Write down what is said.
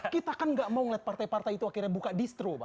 kita kan gak mau ngeliat partai partai itu akhirnya buka distro pak